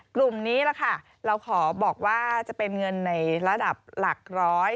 กลุ่มนี้แหละค่ะเราขอบอกว่าจะเป็นเงินในระดับหลักร้อย